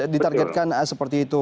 ditargetkan seperti itu